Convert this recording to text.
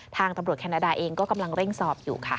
ทางตำรวจแคนาดาเองก็กำลังเร่งสอบอยู่ค่ะ